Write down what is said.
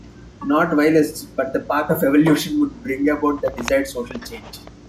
Not violence, but the path of evolution, would bring about the desired social change.